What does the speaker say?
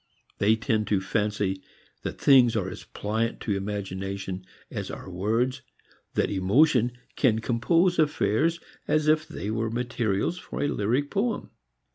They tend to fancy that things are as pliant to imagination as are words, that an emotion can compose affairs as if they were materials for a lyric poem.